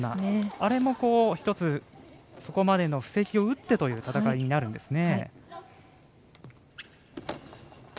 あれも１つ、そこまでの布石を打ってという戦いになるんですね。